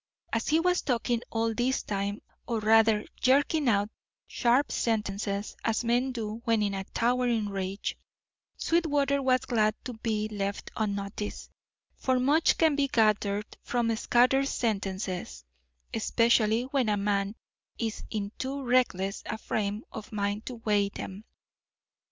As he was talking all this time, or rather jerking out sharp sentences, as men do when in a towering rage, Sweetwater was glad to be left unnoticed, for much can be gathered from scattered sentences, especially when a man is in too reckless a frame of mind to weigh them.